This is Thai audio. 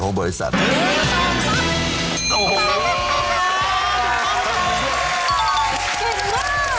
เข็มมาก